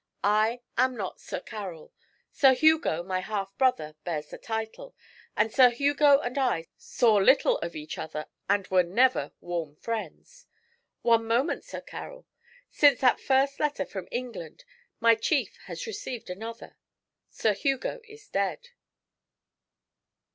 I am not Sir Carroll. Sir Hugo, my half brother, bears the title, and Sir Hugo and I saw little of each other and were never warm friends.' 'One moment, Sir Carroll. Since that first letter from England, my chief has received another. Sir Hugo is dead.'